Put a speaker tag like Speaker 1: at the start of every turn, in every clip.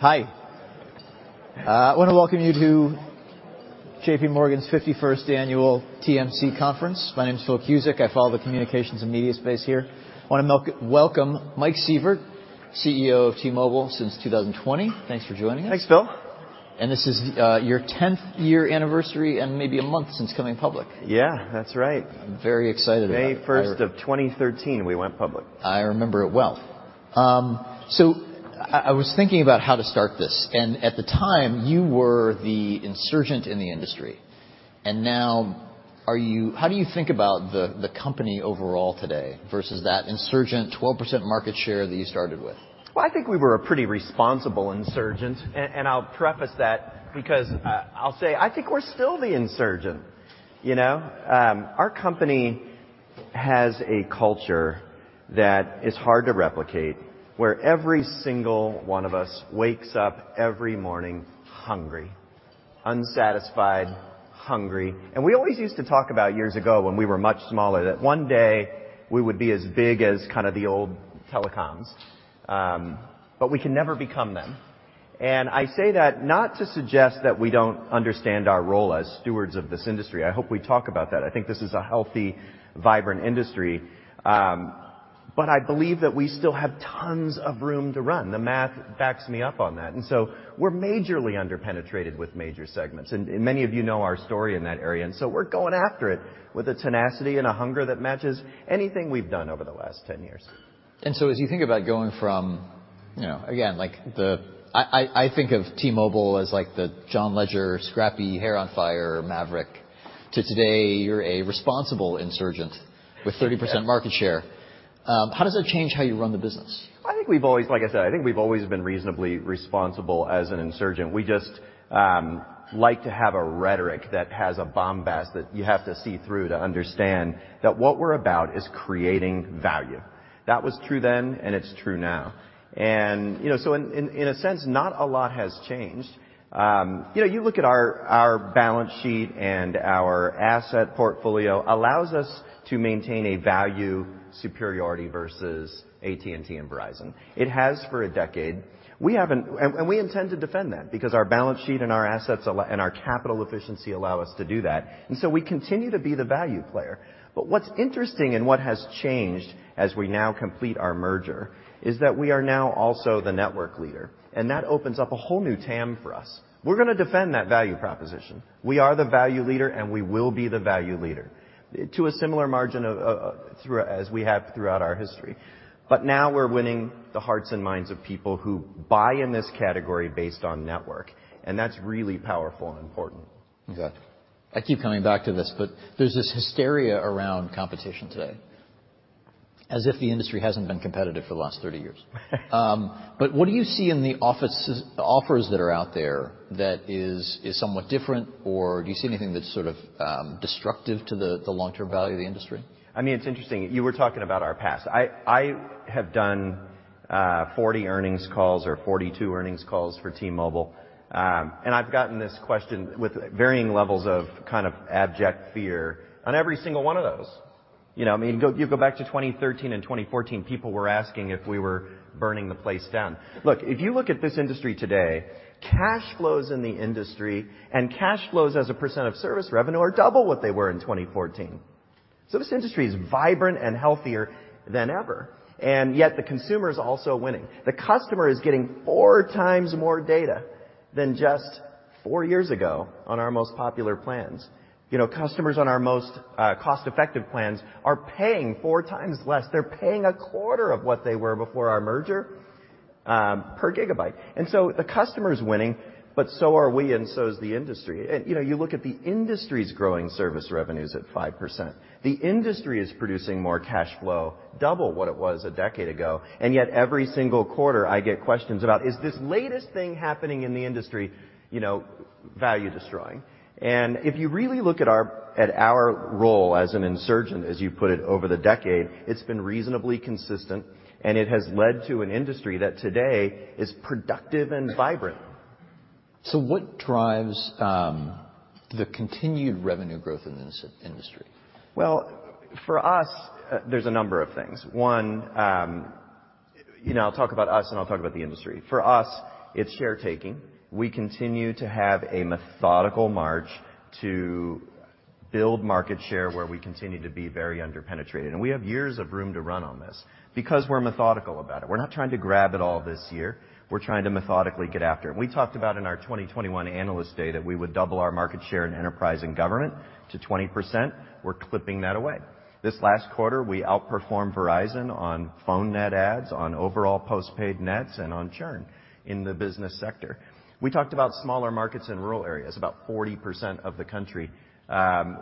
Speaker 1: Hi. I want to welcome you to JPMorgan's 51st annual TMT Conference. My name is Phil Cusick. I follow the communications and media space here. Welcome Mike Sievert, CEO of T-Mobile since 2020. Thanks for joining us.
Speaker 2: Thanks, Phil.
Speaker 1: This is, your tenth-year anniversary and maybe a month since going public.
Speaker 2: Yeah, that's right.
Speaker 1: I'm very excited about it.
Speaker 2: May first of 2013 we went public.
Speaker 1: I remember it well. I was thinking about how to start this. At the ti, you were the insurgent in the industry, and now how do you think about the company overall today versus that insurgent 12% market share that you started with?
Speaker 2: Well, I think we were a pretty responsible insurgent. I'll preface that because I'll say I think we're still the insurgent, you know? Our company has a culture that is hard to replicate, where every single one of us wakes up every morning hungry, unsatisfied, hungry. We always used to talk about years ago when we were much smaller, that one day we would be as big as kinda the old telecoms, but we can never become them. I say that not to suggest that we don't understand our role as stewards of this industry. I hope we talk about that. I think this is a healthy, vibrant industry. I believe that we still have tons of room to run. The math backs me up on that. We're majorly under-penetrated with major segments. Many of you know our story in that area, so we're going after it with a tenacity and a hunger that matches anything we've done over the last 10 years.
Speaker 1: As you think about going from, you know, again, like the... I think of T-Mobile as like the John Legere scrappy hair on fire maverick to today you're a responsible insurgent with 30% market share. How does that change how you run the business?
Speaker 2: Like I said, I think we've always been reasonably responsible as an insurgent. We just like to have a rhetoric that has a bombast that you have to see through to understand that what we're about is creating value. That was true then, and it's true now. You know, so in, in a sense, not a lot has changed. You know, you look at our balance sheet and our asset portfolio allows us to maintain a value superiority versus AT&T and Verizon. It has for a decade. We haven't... We intend to defend that because our balance sheet and our assets allow and our capital efficiency allow us to do that. We continue to be the value player. What's interesting and what has changed as we now complete our merger is that we are now also the network leader, and that opens up a whole new TAM for us. We're gonna defend that value proposition. We are the value leader, and we will be the value leader to a similar margin of, through, as we have throughout our history. Now we're winning the hearts and minds of people who buy in this category based on network, and that's really powerful and important.
Speaker 1: Okay. I keep coming back to this, but there's this hysteria around competition today, as if the industry hasn't been competitive for the last 30 years. What do you see in the offers that are out there that is somewhat different, or do you see anything that's sort of destructive to the long-term value of the industry?
Speaker 2: I mean, it's interesting. You were talking about our past. I have done 40 earnings calls or 42 earnings calls for T-Mobile, and I've gotten this question with varying levels of kind of abject fear on every single one of those. You know what I mean? You go back to 2013 and 2014, people were asking if we were burning the place down. Look, if you look at this industry today, cash flows in the industry and cash flows as a percent of service revenue are double what they were in 2014. This industry is vibrant and healthier than ever, and yet the consumer is also winning. The customer is getting 4x more data than just four years ago on our most popular plans. You know, customers on our most cost-effective plans are paying 4x less. They're paying a quarter of what they were before our merger per gigabyte. The customer is winning, but so are we, and so is the industry. You know, you look at the industry's growing service revenues at 5%. The industry is producing more cash flow, double what it was a decade ago, and yet every single quarter I get questions about, "Is this latest thing happening in the industry, you know, value destroying?" If you really look at our role as an insurgent, as you put it, over the decade, it's been reasonably consistent, and it has led to an industry that today is productive and vibrant.
Speaker 1: What drives, the continued revenue growth in this industry?
Speaker 2: Well, for us, there's a number of things. One, you know, I'll talk about us, and I'll talk about the industry. For us, it's share taking. We continue to have a methodical march to build market share where we continue to be very under-penetrated. We have years of room to run on this because we're methodical about it. We're not trying to grab it all this year. We're trying to methodically get after it. We talked about in our 2021 Analyst Day that we would double our market share in enterprise and government to 20%. We're clipping that away. This last quarter, we outperformed Verizon on phone net adds, on overall postpaid nets, and on churn in the business sector. We talked about smaller markets in rural areas, about 40% of the country,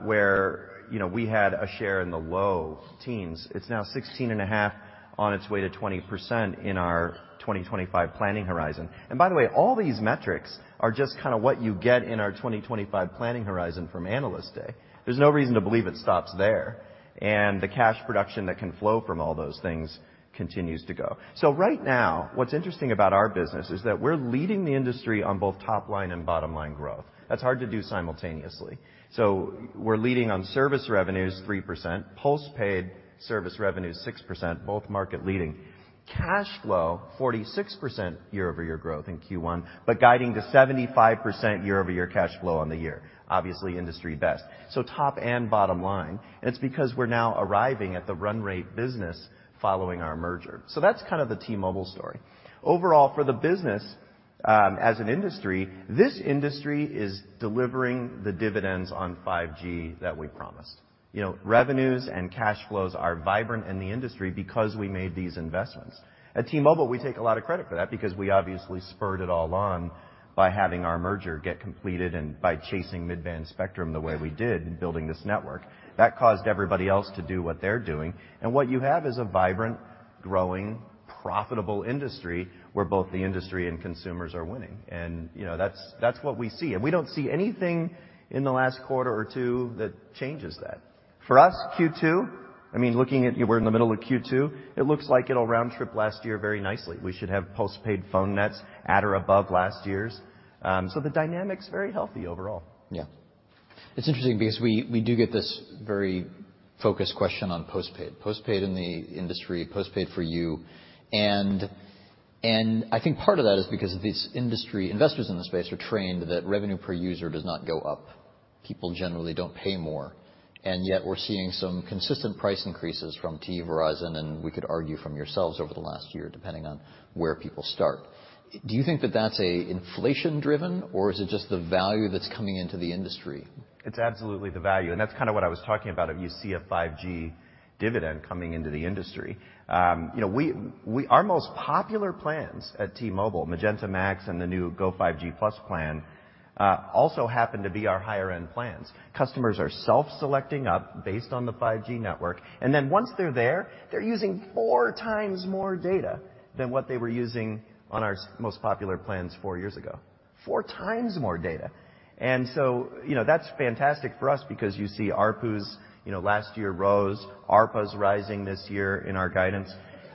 Speaker 2: where, you know, we had a share in the low teens. It's now 16.5% on its way to 20% in our 2025 planning horizon. By the way, all these metrics are just kinda what you get in our 2025 planning horizon from Analyst Day. There's no reason to believe it stops there. The cash production that can flow from all those things continues to go. Right now, what's interesting about our business is that we're leading the industry on both top line and bottom line growth. That's hard to do simultaneously. We're leading on service revenues, 3%, postpaid service revenues, 6%, both market leading. Cash flow, 46% year-over-year growth in Q1, but guiding to 75% year-over-year cash flow on the year. Obviously, industry best. Top and bottom line. It's because we're now arriving at the run rate business following our merger. That's kind of the T-Mobile story. Overall, for the business, as an industry, this industry is delivering the dividends on 5G that we promised. You know, revenues and cash flows are vibrant in the industry because we made these investments. At T-Mobile, we take a lot of credit for that because we obviously spurred it all on by having our merger get completed and by chasing mid-band spectrum the way we did in building this network. That caused everybody else to do what they're doing. What you have is a vibrant, growing, profitable industry where both the industry and consumers are winning. You know, that's what we see. We don't see anything in the last quarter or two that changes that. For us, Q2, I mean, looking at we're in the middle of Q2, it looks like it'll round trip last year very nicely. We should have postpaid phone nets at or above last year's. The dynamic's very healthy overall.
Speaker 1: Yeah. It's interesting because we do get this very focused question on postpaid. Postpaid in the industry, postpaid for you. I think part of that is because these industry investors in the space are trained that revenue per user does not go up. People generally don't pay more. Yet we're seeing some consistent price increases from AT&T, Verizon, and we could argue from yourselves over the last year, depending on where people start. Do you think that that's a inflation driven, or is it just the value that's coming into the industry?
Speaker 2: It's absolutely the value, that's kinda what I was talking about, you see a 5G dividend coming into the industry. You know, we Our most popular plans at T-Mobile, Magenta MAX and the new Go5G Plus plan, also happen to be our higher-end plans. Customers are self-selecting up based on the 5G network. Then once they're there, they're using four times more data than what they were using on our most popular plans four years ago. Four times more data. So, you know, that's fantastic for us because you see ARPUs, you know, last year rose. ARPA's rising this year in our guidance.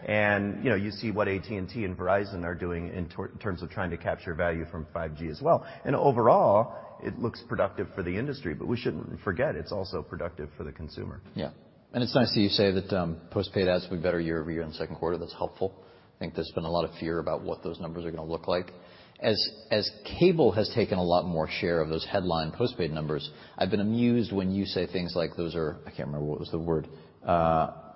Speaker 2: You know, you see what AT&T and Verizon are doing in terms of trying to capture value from 5G as well. Overall, it looks productive for the industry, but we shouldn't forget, it's also productive for the consumer.
Speaker 1: Yeah. It's nice that you say that, postpaid adds will be better year-over-year in the second quarter. That's helpful. I think there's been a lot of fear about what those numbers are gonna look like. As Cable has taken a lot more share of those headline postpaid numbers, I've been amused when you say things like those are... I can't remember what was the word.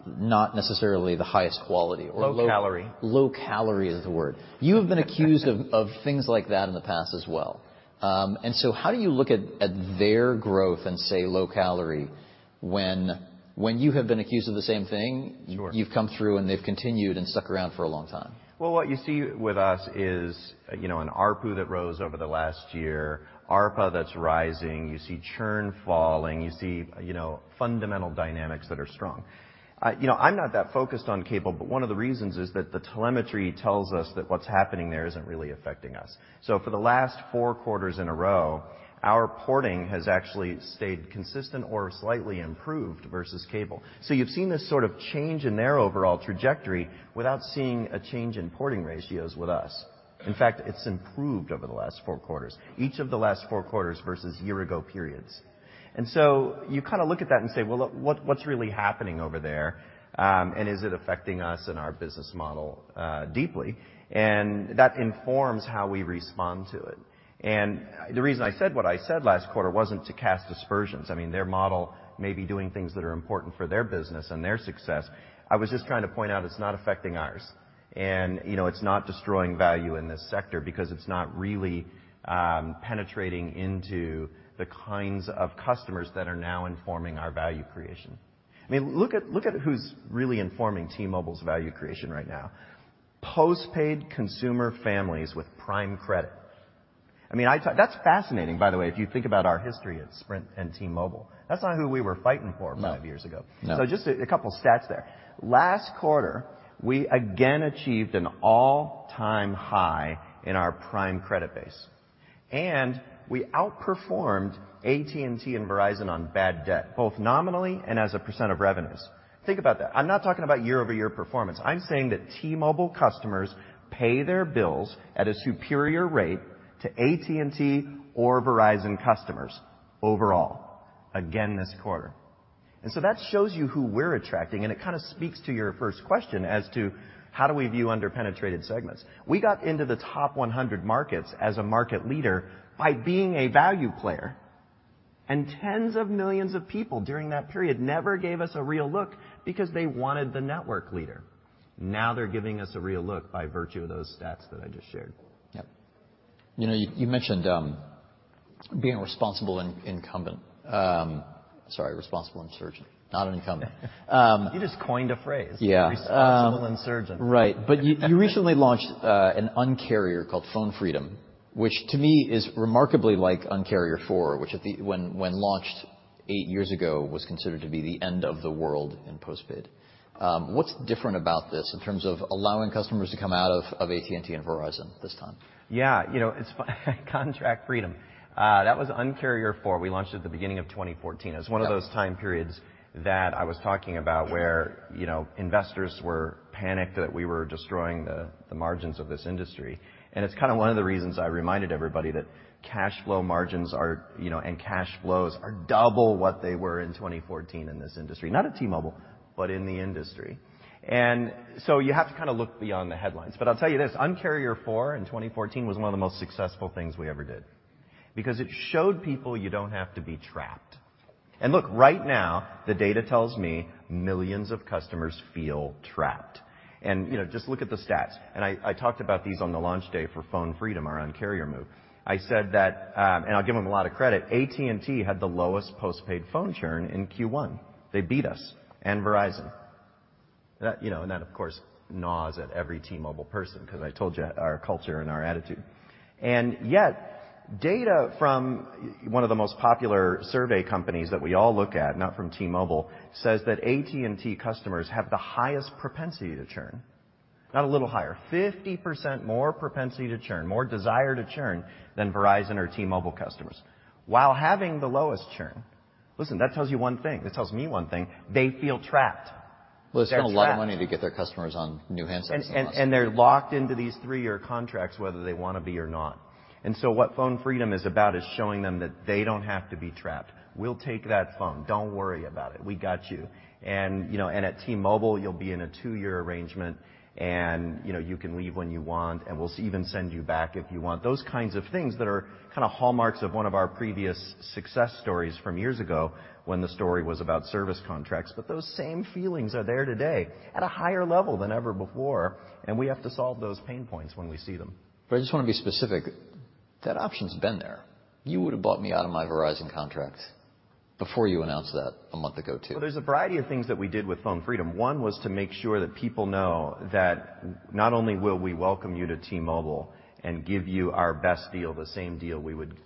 Speaker 1: Not necessarily the highest quality or low-
Speaker 2: Low calorie.
Speaker 1: Low calorie is the word. You have been accused of things like that in the past as well. How do you look at their growth and say low calorie when you have been accused of the same thing?
Speaker 2: Sure.
Speaker 1: You've come through and they've continued and stuck around for a long time.
Speaker 2: Well, what you see with us is, you know, an ARPU that rose over the last year, ARPA that's rising. You see churn falling. You see, you know, fundamental dynamics that are strong. You know, I'm not that focused on Cable, but one of the reasons is that the telemetry tells us that what's happening there isn't really affecting us. For the last four quarters in a row, our porting has actually stayed consistent or slightly improved versus Cable. You've seen this sort of change in their overall trajectory without seeing a change in porting ratios with us. In fact, it's improved over the last four quarters, each of the last four quarters versus year-ago periods. You kinda look at that and say, "Well, what's really happening over there? Is it affecting us and our business model deeply? That informs how we respond to it. The reason I said what I said last quarter wasn't to cast aspersions. I mean, their model may be doing things that are important for their business and their success. I was just trying to point out it's not affecting ours. You know, it's not destroying value in this sector because it's not really penetrating into the kinds of customers that are now informing our value creation. I mean, look at who's really informing T-Mobile's value creation right now. Postpaid consumer families with prime credit. I mean, that's fascinating, by the way, if you think about our history at Sprint and T-Mobile. That's not who we were fighting for five years ago.
Speaker 1: No.
Speaker 2: Just a couple stats there. Last quarter, we again achieved an all-time high in our prime credit base. We outperformed AT&T and Verizon on bad debt, both nominally and as a percentage of revenues. Think about that. I'm not talking about year-over-year performance. I'm saying that T-Mobile customers pay their bills at a superior rate to AT&T or Verizon customers overall, again this quarter. That shows you who we're attracting, and it kinda speaks to your first question as to how do we view under-penetrated segments. We got into the top 100 markets as a market leader by being a value player. Tens of millions of people during that period never gave us a real look because they wanted the network leader. Now they're giving us a real look by virtue of those stats that I just shared.
Speaker 1: Yep. You know, you mentioned being a responsible incumbent. Sorry, responsible insurgent, not an incumbent.
Speaker 2: You just coined a phrase.
Speaker 1: Yeah.
Speaker 2: Responsible insurgent.
Speaker 1: Right. You recently launched an Un-carrier called Phone Freedom, which to me is remarkably like Un-carrier 4.0, which when launched eight years ago was considered to be the end of the world in postpaid. What's different about this in terms of allowing customers to come out of AT&T and Verizon this time?
Speaker 2: Yeah, you know, Contract Freedom. That was Un-carrier 4.0. We launched at the beginning of 2014. It's one of those time periods that I was talking about where, you know, investors were panicked that we were destroying the margins of this industry. It's kinda one of the reasons I reminded everybody that cash flow margins are, you know, and cash flows are double what they were in 2014 in this industry. Not at T-Mobile, but in the industry. You have to kinda look beyond the headlines. I'll tell you this, Un-carrier 4.0 in 2014 was one of the most successful things we ever did. Because it showed people you don't have to be trapped. Look, right now, the data tells me millions of customers feel trapped. You know, just look at the stats, I talked about these on the launch day for Phone Freedom, our Un-carrier move. I said that, and I'll give them a lot of credit, AT&T had the lowest postpaid phone churn in Q1. They beat us and Verizon. That, you know, and that, of course, gnaws at every T-Mobile person because I told you our culture and our attitude. Yet, data from one of the most popular survey companies that we all look at, not from T-Mobile, says that AT&T customers have the highest propensity to churn. Not a little higher. 50% more propensity to churn, more desire to churn than Verizon or T-Mobile customers while having the lowest churn. Listen, that tells you one thing. That tells me one thing. They feel trapped. They're trapped.
Speaker 1: Well, they spend a lot of money to get their customers on new handsets.
Speaker 2: They're locked into these three-year contracts whether they wanna be or not. What Phone Freedom is about is showing them that they don't have to be trapped. We'll take that phone. Don't worry about it. We got you. You know, at T-Mobile, you'll be in a two-year arrangement and, you know, you can leave when you want, and we'll even send you back if you want. Those kinds of things that are kinda hallmarks of one of our previous success stories from years ago when the story was about service contracts. Those same feelings are there today at a higher level than ever before, and we have to solve those pain points when we see them.
Speaker 1: I just wanna be specific. That option's been there. You would've bought me out of my Verizon contract before you announced that a month ago, too.
Speaker 2: Well, there's a variety of things that we did with Phone Freedom. One was to make sure that people know that not only will we welcome you to T-Mobile and give you our best deal, the same deal we would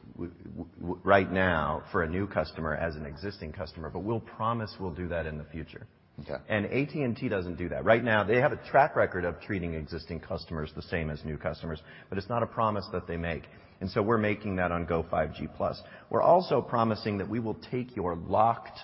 Speaker 2: right now for a new customer as an existing customer, but we'll promise we'll do that in the future.
Speaker 1: Okay.
Speaker 2: AT&T doesn't do that. Right now, they have a track record of treating existing customers the same as new customers, but it's not a promise that they make, and so we're making that on Go5G Plus. We're also promising that we will take your locked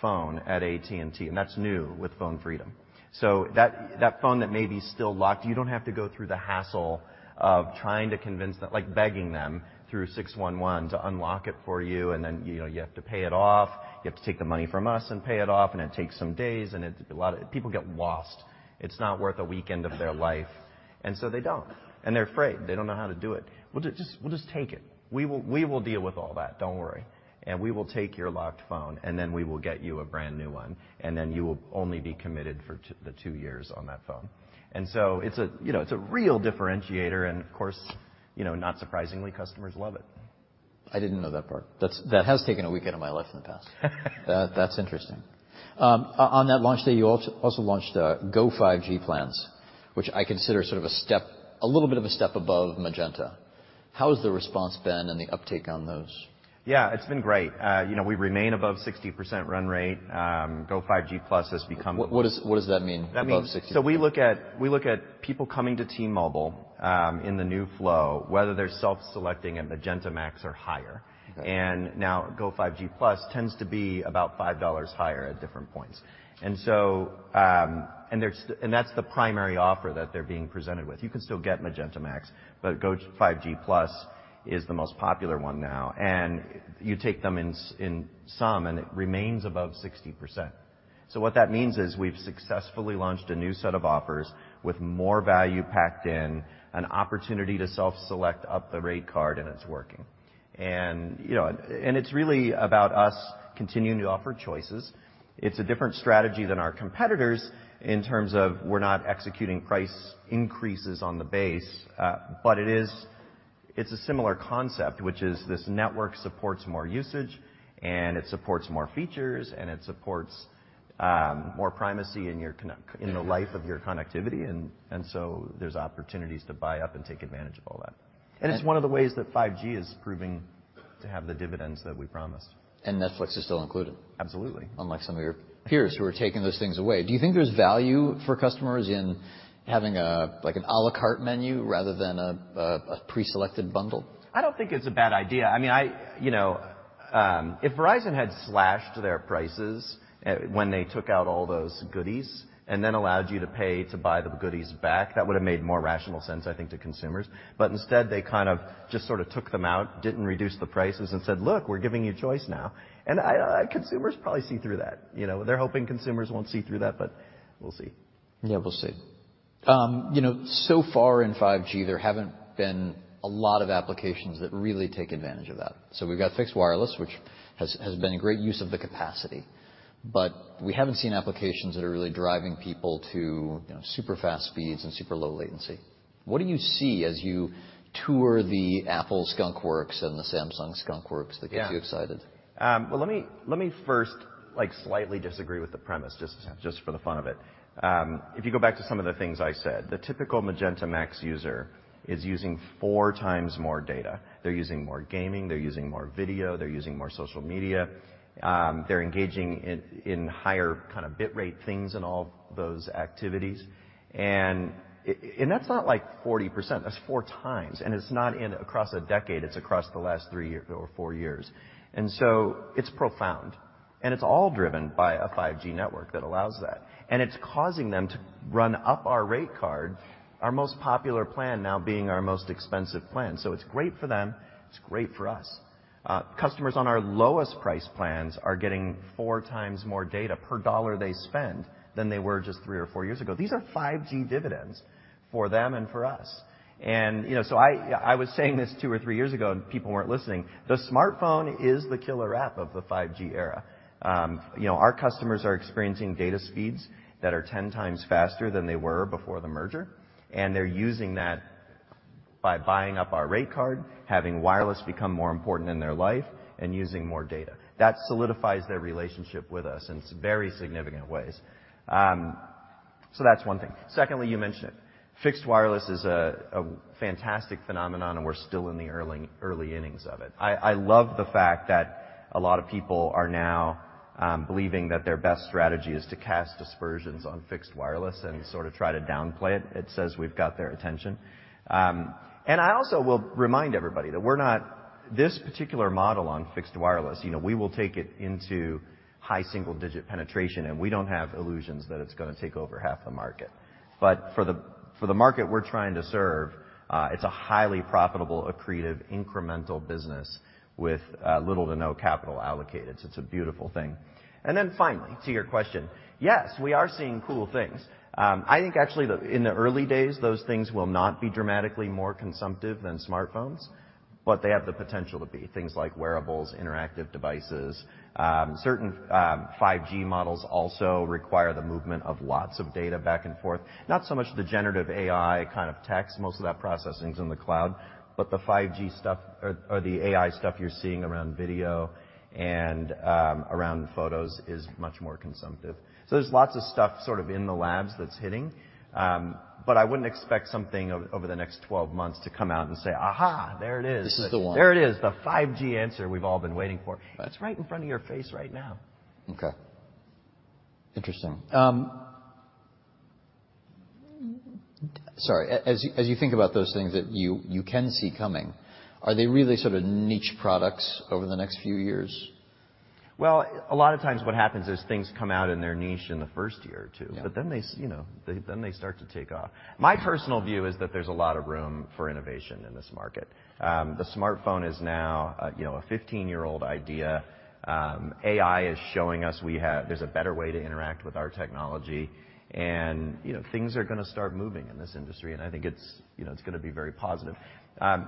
Speaker 2: phone at AT&T, and that's new with Phone Freedom. That phone that may be still locked, you don't have to go through the hassle of trying to convince them, like begging them through 611 to unlock it for you, and then, you know, you have to pay it off. You have to take the money from us and pay it off and it takes some days. A lot of people get lost. It's not worth a weekend of their life, and so they don't. They're afraid. They don't know how to do it. We'll just take it. We will deal with all that, don't worry. We will take your locked phone, we will get you a brand-new one, you will only be committed for the two years on that phone. It's a, you know, it's a real differentiator and, of course, you know, not surprisingly, customers love it.
Speaker 1: I didn't know that part. That's taken a weekend of my life in the past. That's interesting. On that launch day, you also launched Go5G plans, which I consider sort of a step, a little bit of a step above Magenta. How has the response been and the uptake on those?
Speaker 2: Yeah, it's been great. you know, we remain above 60% run rate. Go5G Plus.
Speaker 1: What does that mean, above 60%?
Speaker 2: We look at people coming to T-Mobile in the new flow, whether they're self-selecting at Magenta MAX or higher.
Speaker 1: Okay.
Speaker 2: Now Go5G Plus tends to be about $5 higher at different points. That's the primary offer that they're being presented with. You can still get Magenta MAX, but Go5G Plus is the most popular one now. You take them in sum, and it remains above 60%. What that means is we've successfully launched a new set of offers with more value packed in, an opportunity to self-select up the rate card, and it's working. You know, it's really about us continuing to offer choices. It's a different strategy than our competitors in terms of we're not executing price increases on the base, but it is... It's a similar concept, which is this network supports more usage, and it supports more features, and it supports more primacy in your in the life of your connectivity. There's opportunities to buy up and take advantage of all that. It's one of the ways that 5G is proving to have the dividends that we promised.
Speaker 1: Netflix is still included.
Speaker 2: Absolutely.
Speaker 1: Unlike some of your peers who are taking those things away. Do you think there's for customers in having a, like, an à la carte menu rather than a pre-selected bundle?
Speaker 2: I don't think it's a bad idea. I mean, you know, if Verizon had slashed their prices, when they took out all those goodies and then allowed you to pay to buy the goodies back, that would've made more rational sense, I think, to consumers. Instead, they kind of just sorta took them out, didn't reduce the prices, and said, "Look, we're giving you choice now." Consumers probably see through that, you know? They're hoping consumers won't see through that, but we'll see.
Speaker 1: Yeah, we'll see. You know, so far in 5G, there haven't been a lot of applications that really take advantage of that. We've got fixed wireless, which has been a great use of the capacity. We haven't seen applications that are really driving people to, you know, super fast speeds and super low latency. What do you see as you tour the Apple skunkworks and the Samsung skunkworks that gets you excited?
Speaker 2: Yeah. Well let me, let me first, like, slightly disagree with the premise, just for the fun of it. If you go back to some of the things I said, the typical Magenta MAX user is using four times more data. They're using more gaming. They're using more video. They're using more social media. They're engaging in higher kinda bitrate things in all of those activities. That's not, like, 40%. That's four times. It's not in across a decade. It's across the last three years or four years. It's profound. It's all driven by a 5G network that allows that. It's causing them to run up our rate card, our most popular plan now being our most expensive plan. It's great for them. It's great for us. Customers on our lowest price plans are getting 4x more data per dollar they spend than they were just three or four years ago. These are 5G dividends for them and for us. You know, I was saying this two or three years ago, and people weren't listening. The smartphone is the killer app of the 5G era. You know, our customers are experiencing data speeds that are 10x faster than they were before the merger, and they're using that by buying up our rate card, having wireless become more important in their life, and using more data. That solidifies their relationship with us in some very significant ways. That's one thing. Secondly, you mentioned it. Fixed wireless is a fantastic phenomenon, and we're still in the early innings of it. I love the fact that a lot of people are now believing that their best strategy is to cast aspersions on fixed wireless and sort of try to downplay it. It says we've got their attention. I also will remind everybody that we're not. This particular model on fixed wireless, you know, we will take it into high single-digit penetration, and we don't have illusions that it's gonna take over half the market. For the market we're trying to serve, it's a highly profitable, accretive, incremental business with little to no capital allocated, so it's a beautiful thing. Finally, to your question. Yes, we are seeing cool things. I think actually in the early days, those things will not be dramatically more consumptive than smartphones, but they have the potential to be. Things like wearables, interactive devices, certain 5G models also require the movement of lots of data back and forth. Not so much the generative AI kind of text, most of that processing is in the cloud, but the 5G stuff or the AI stuff you're seeing around video and around photos is much more consumptive. There's lots of stuff sort of in the labs that's hitting, but I wouldn't expect something over the next 12 months to come out and say, "Aha, there it is.
Speaker 1: This is the one.
Speaker 2: There it is, the 5G answer we've all been waiting for." It's right in front of your face right now.
Speaker 1: Okay. Interesting. Sorry. As you think about those things that you can see coming, are they really sort of niche products over the next few years?
Speaker 2: Well, a lot of times what happens is things come out in their niche in the first year or two.
Speaker 1: Yeah.
Speaker 2: You know, they, then they start to take off. My personal view is that there's a lot of room for innovation in this market. The smartphone is now, you know, a 15-year-old idea. AI is showing us we have... there's a better way to interact with our technology and, you know, things are gonna start moving in this industry, and I think it's, you know, it's gonna be very positive. At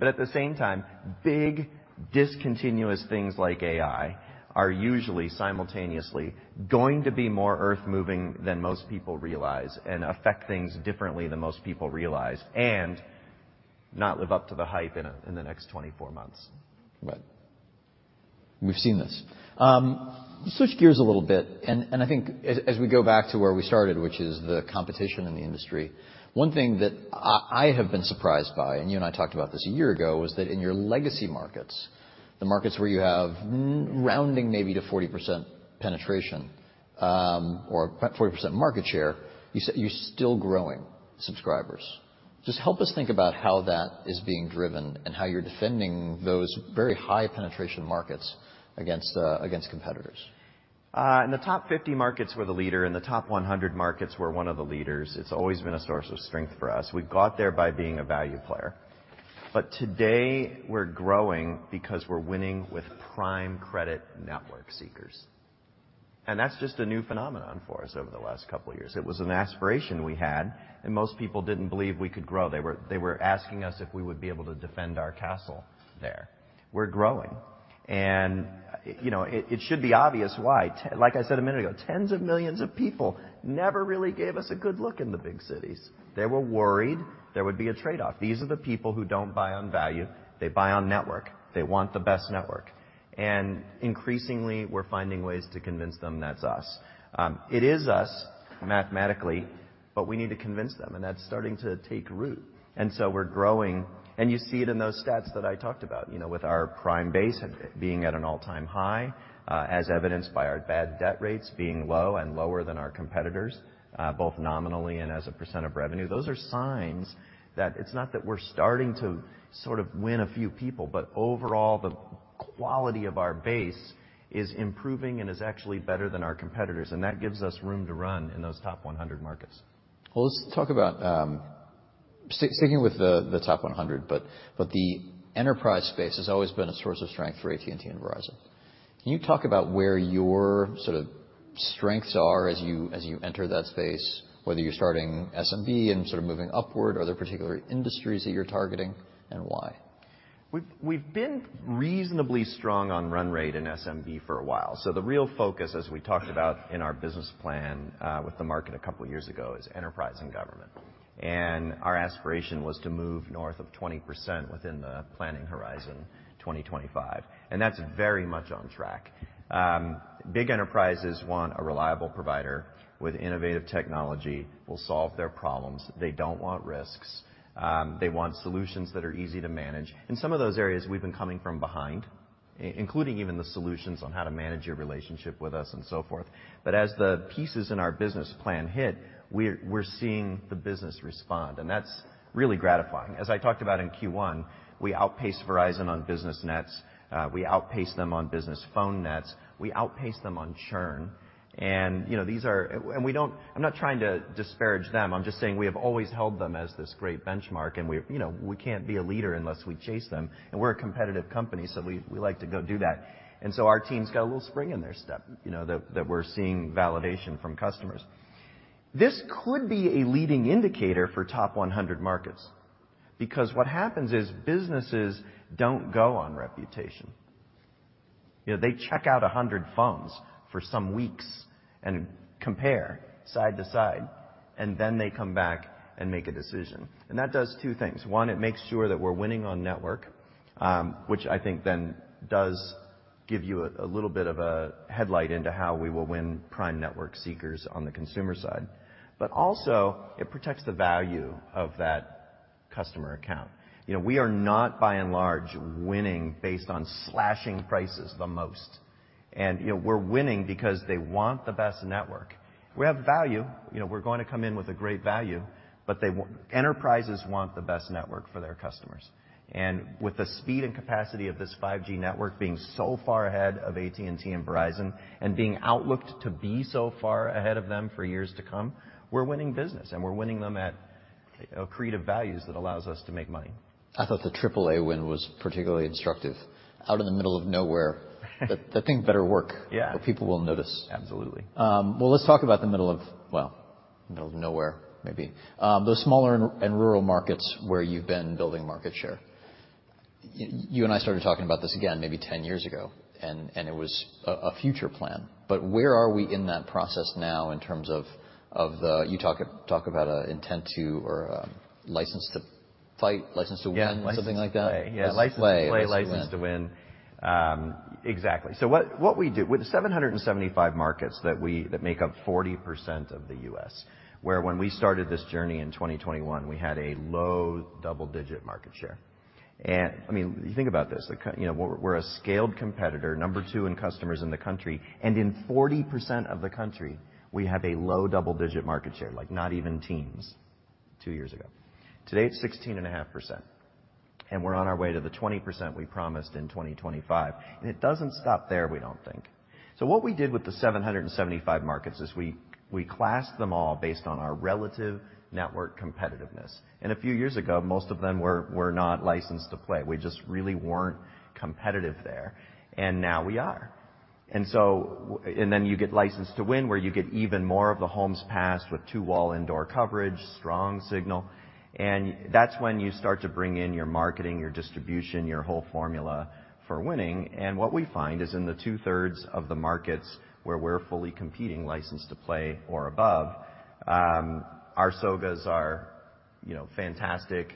Speaker 2: the same time, big discontinuous things like AI are usually simultaneously going to be more earth-moving than most people realize and affect things differently than most people realize and not live up to the hype in the next 24 months.
Speaker 1: Right. We've seen this. Switch gears a little bit, and I think as we go back to where we started, which is the competition in the industry, one thing that I have been surprised by, and you and I talked about this a year ago, was that in your legacy markets, the markets where you have rounding maybe to 40% penetration, or 40% market share, you're still growing subscribers. Just help us think about how that is being driven and how you're defending those very high penetration markets against competitors.
Speaker 2: In the top 50 markets, we're the leader. In the top 100 markets, we're one of the leaders. It's always been a source of strength for us. We got there by being a value player. Today, we're growing because we're winning with prime credit network seekers. That's just a new phenomenon for us over the last couple of years. It was an aspiration we had, and most people didn't believe we could grow. They were asking us if we would be able to defend our castle there. We're growing and, you know, it should be obvious why. Like I said a minute ago, tens of millions of people never really gave us a good look in the big cities. They were worried there would be a trade-off. These are the people who don't buy on value, they buy on network. They want the best network. Increasingly, we're finding ways to convince them that's us. It is us mathematically, but we need to convince them, and that's starting to take root. We're growing, and you see it in those stats that I talked about, you know, with our prime base being at an all-time high, as evidenced by our bad debt rates being low and lower than our competitors, both nominally and as a percent of revenue. Those are signs that it's not that we're starting to sort of win a few people, but overall, the quality of our base is improving and is actually better than our competitors, and that gives us room to run in those top 100 markets.
Speaker 1: Well, let's talk about sticking with the top 100, but the enterprise space has always been a source of strength for AT&T and Verizon. Can you talk about where your sort of strengths are as you enter that space, whether you're starting SMB and sort of moving upward? Are there particular industries that you're targeting and why?
Speaker 2: We've been reasonably strong on run rate in SMB for a while. The real focus, as we talked about in our business plan, with the market two years ago, is enterprise and government. Our aspiration was to move north of 20% within the planning horizon, 2025, and that's very much on track. Big enterprises want a reliable provider with innovative technology, will solve their problems. They don't want risks. They want solutions that are easy to manage. In some of those areas, we've been coming from behind, including even the solutions on how to manage your relationship with us and so forth. As the pieces in our business plan hit, we're seeing the business respond, and that's really gratifying. As I talked about in Q1, we outpace Verizon on business nets. We outpace them on business phone nets. We outpace them on churn. You know, these are... I'm not trying to disparage them, I'm just saying we have always held them as this great benchmark, and we, you know, we can't be a leader unless we chase them, and we're a competitive company, so we like to go do that. So our team's got a little spring in their step, you know, that we're seeing validation from customers. This could be a leading indicator for top 100 markets. Because what happens is businesses don't go on reputation. You know, they check out 100 phones for some weeks and compare side to side, and then they come back and make a decision. That does two things. One, it makes sure that we're winning on network, which I think then does give you a little bit of a headlight into how we will win prime network seekers on the consumer side. Also it protects the value of that customer account. You know, we are not, by and large, winning based on slashing prices the most. You know, we're winning because they want the best network. We have value. You know, we're going to come in with a great value, but enterprises want the best network for their customers. With the speed and capacity of this 5G network being so far ahead of AT&T and Verizon and being outlooked to be so far ahead of them for years to come, we're winning business, and we're winning them at accretive values that allows us to make money.
Speaker 1: I thought the AAA win was particularly instructive out of the middle of nowhere. That thing better work.
Speaker 2: Yeah.
Speaker 1: People will notice.
Speaker 2: Absolutely.
Speaker 1: Well, let's talk about the middle of... well, middle of nowhere, maybe. Those smaller and rural markets where you've been building market share. You and I started talking about this again maybe 10 years ago, and it was a future plan. Where are we in that process now in terms of the You talk about a intent to or license to fight, license to win?
Speaker 2: Yes.
Speaker 1: Something like that.
Speaker 2: License to play.
Speaker 1: License to play, license to win.
Speaker 2: Yes. License to play, license to win. Exactly. What we do, with the 775 markets that make up 40% of the U.S., where when we started this journey in 2021, we had a low double-digit market share. I mean, you think about this, you know, we're a scaled competitor, number two in customers in the country, and in 40% of the country we have a low double-digit market share, like not even teens two years ago. Today, it's 16.5%, we're on our way to the 20% we promised in 2025. It doesn't stop there, we don't think. What we did with the 775 markets is we classed them all based on our relative network competitiveness. A few years ago, most of them were not licensed to play. We just really weren't competitive there. Now we are. Then you get licensed to win, where you get even more of the homes passed with two-wall indoor coverage, strong signal, and that's when you start to bring in your marketing, your distribution, your whole formula for winning. What we find is in the 2/3 of the markets where we're fully competing licensed to play or above, our SOGAs are, you know, fantastic,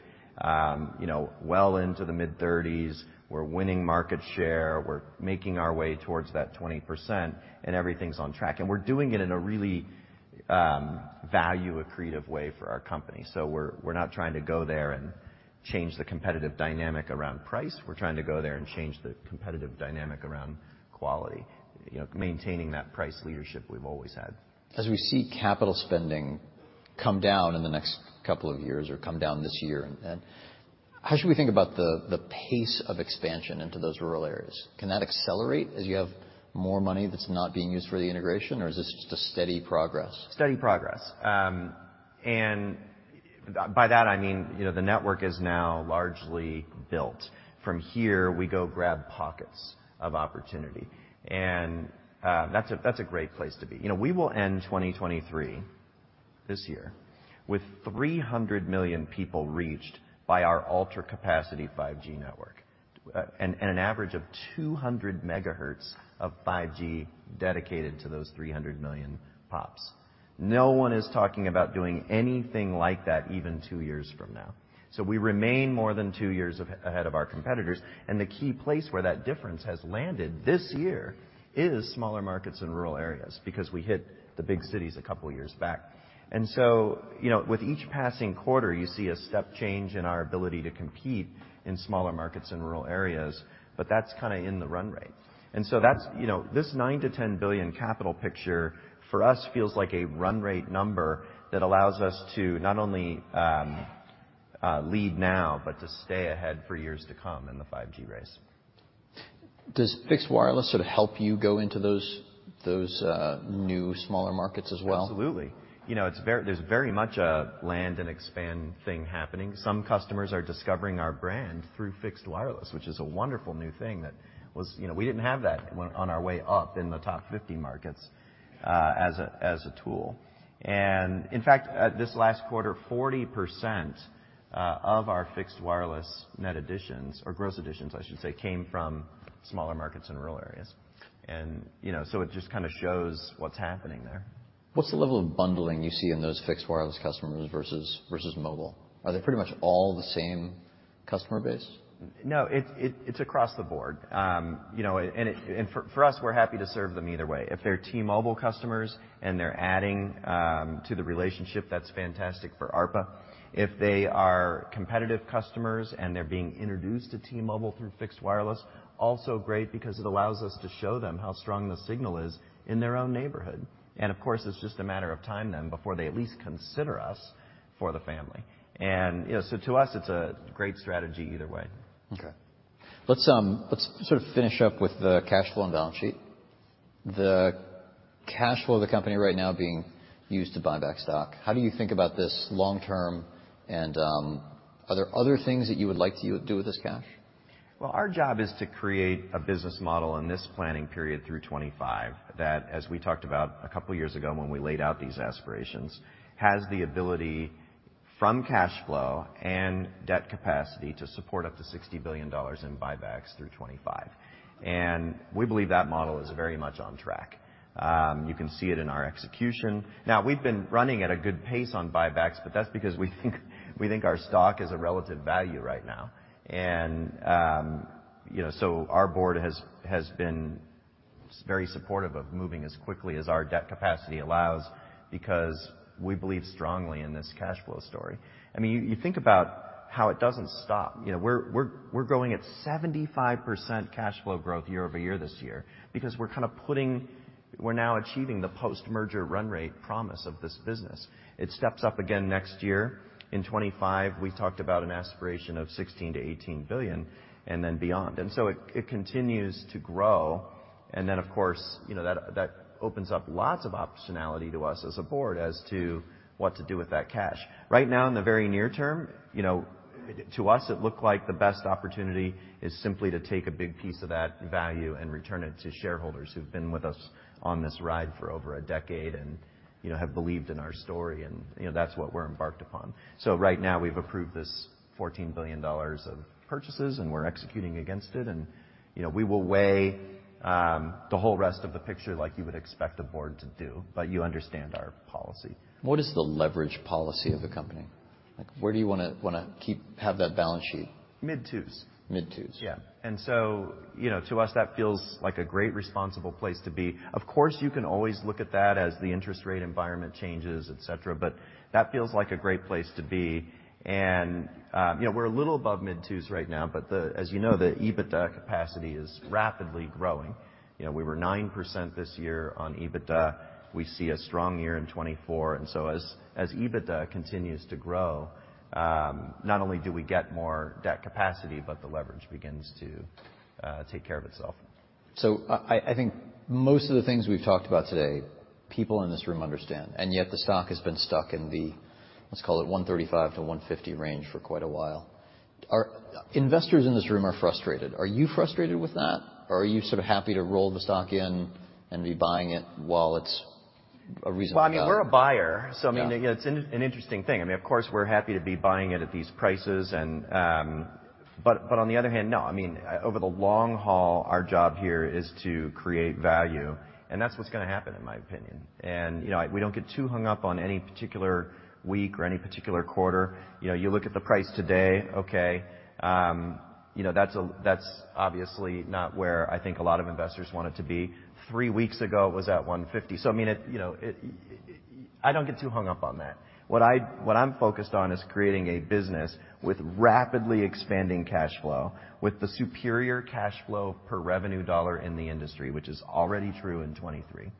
Speaker 2: you know, well into the mid-30s. We're winning market share. We're making our way towards that 20%, and everything's on track. We're doing it in a really value accretive way for our company. We're not trying to go there and change the competitive dynamic around price. We're trying to go there and change the competitive dynamic around quality, you know, maintaining that price leadership we've always had.
Speaker 1: As we see capital spending come down in the next couple of years or come down this year and how should we think about the pace of expansion into those rural areas? Can that accelerate as you have more money that's not being used for the integration, or is this just a steady progress?
Speaker 2: Steady progress. By that I mean, you know, the network is now largely built. From here we go grab pockets of opportunity. That's a, that's a great place to be. You know, we will end 2023, this year, with 300 million people reached by our Ultra Capacity 5G network. An average of 200 megahertz of 5G dedicated to those 300 million PoPs. No one is talking about doing anything like that even two years from now. We remain more than two years ahead of our competitors, and the key place where that difference has landed this year is smaller markets in rural areas, because we hit the big cities a couple years back. You know, with each passing quarter, you see a step change in our ability to compete in smaller markets in rural areas, but that's kinda in the run rate. That's, you know, this $9 billion-$10 billion capital picture for us feels like a run rate number that allows us to not only lead now, but to stay ahead for years to come in the 5G race.
Speaker 1: Does fixed wireless sort of help you go into those new smaller markets as well?
Speaker 2: Absolutely. You know, there's very much a land and expand thing happening. Some customers are discovering our brand through fixed wireless, which is a wonderful new thing that was. You know, we didn't have that on our way up in the top 50 markets as a tool. In fact, at this last quarter, 40% of our fixed wireless net additions, or gross additions I should say, came from smaller markets in rural areas. You know, it just kinda shows what's happening there.
Speaker 1: What's the level of bundling you see in those fixed wireless customers versus mobile? Are they pretty much all the same customer base?
Speaker 2: No, it's across the board. you know, for us, we're happy to serve them either way. If they're T-Mobile customers and they're adding to the relationship, that's fantastic for ARPA. If they are competitive customers and they're being introduced to T-Mobile through fixed wireless, also great because it allows us to show them how strong the signal is in their own neighborhood. Of course, it's just a matter of time then before they at least consider us for the family. you know, to us, it's a great strategy either way.
Speaker 1: Okay. Let's sort of finish up with the cash flow and balance sheet. The cash flow of the company right now being used to buy back stock. How do you think about this long term? Are there other things that you would like to do with this cash?
Speaker 2: Well, our job is to create a business model in this planning period through 2025 that, as we talked about a couple years ago when we laid out these aspirations, has the ability from cash flow and debt capacity to support up to $60 billion in buybacks through 2025. We believe that model is very much on track. You can see it in our execution. We've been running at a good pace on buybacks, but that's because we think our stock is a relative value right now. You know, our board has been very supportive of moving as quickly as our debt capacity allows because we believe strongly in this cash flow story. I mean, you think about how it doesn't stop. You know, we're growing at 75% cash flow growth year-over-year this year because we're now achieving the post-merger run rate promise of this business. It steps up again next year. In 2025, we talked about an aspiration of $16 billion-$18 billion and then beyond. It continues to grow. Of course, you know, that opens up lots of optionality to us as a board as to what to do with that cash. Right now, in the very near term, you know, to us, it looked like the best opportunity is simply to take a big piece of that value and return it to shareholders who've been with us on this ride for over a decade and, you know, have believed in our story, you know, that's what we're embarked upon. Right now we've approved this $14 billion of purchases, and we're executing against it. You know, we will weigh the whole rest of the picture like you would expect a board to do, but you understand our policy.
Speaker 1: What is the leverage policy of the company? Like, where do you wanna have that balance sheet?
Speaker 2: Mid-twos.
Speaker 1: Mid-twos.
Speaker 2: Yeah. You know, to us, that feels like a great responsible place to be. Of course, you can always look at that as the interest rate environment changes, et cetera, but that feels like a great place to be. You know, we're a little above mid-twos right now, but as you know, the EBITDA capacity is rapidly growing. You know, we were 9% this year on EBITDA. We see a strong year in 2024, as EBITDA continues to grow, not only do we get more debt capacity, but the leverage begins to take care of itself.
Speaker 1: I think most of the things we've talked about today, people in this room understand, and yet the stock has been stuck in the, let's call it $135-$150 range for quite a while. Investors in this room are frustrated. Are you frustrated with that? Or are you sort of happy to roll the stock in and be buying it while it's a reasonable value?
Speaker 2: Well, I mean, we're a buyer.
Speaker 1: Yeah.
Speaker 2: I mean, it's an interesting thing. I mean, of course, we're happy to be buying it at these prices and, but on the other hand, no. I mean, over the long haul, our job here is to create value, and that's what's gonna happen, in my opinion. You know, we don't get too hung up on any particular week or any particular quarter. You know, you look at the price today, okay. You know, that's obviously not where I think a lot of investors want it to be. Three weeks ago, it was at $150. I mean, you know, I don't get too hung up on that. What I'm focused on is creating a business with rapidly expanding cash flow, with the superior cash flow per revenue dollar in the industry, which is already true in 2023,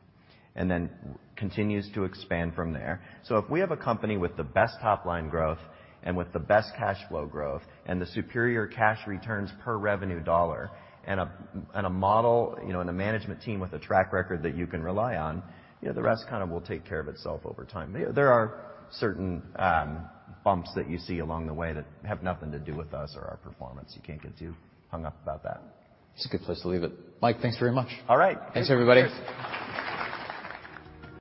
Speaker 2: then continues to expand from there. If we have a company with the best top-line growth and with the best cash flow growth and the superior cash returns per revenue dollar and a model, you know, and a management team with a track record that you can rely on, you know, the rest kind of will take care of itself over time. There are certain bumps that you see along the way that have nothing to do with us or our performance. You can't get too hung up about that.
Speaker 1: t's a good place to leave it. Mike, thanks very much.
Speaker 2: All right.
Speaker 1: Thanks, everybody.